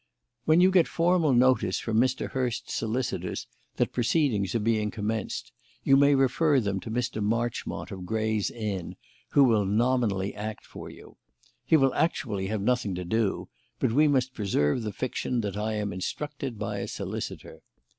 When you get formal notice from Mr. Hurst's solicitors that proceedings are being commenced, you may refer them to Mr. Marchmont of Gray's Inn, who will nominally act for you. He will actually have nothing to do, but we must preserve the fiction that I am instructed by a solicitor.